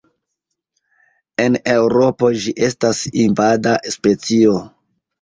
En Eŭropo ĝi estas invada specio.